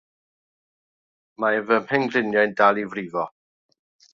Mae fy mhengliniau'n dal i frifo.